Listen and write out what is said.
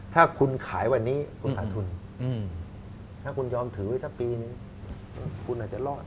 ถ้าคุณขายวันนี้คุณขาดทุนถ้าคุณยอมถือไว้สักปีนึงคุณอาจจะรอด